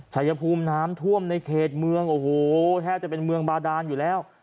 ชายภูมิน้ำท่วมในเขตเมืองโอ้โหแทบจะเป็นเมืองบาดานอยู่แล้ว